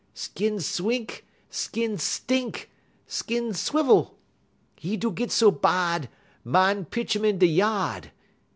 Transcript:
Skin swink, skin stink, skin swivel. 'E do git so bahd, man pitch um in da' ya'd.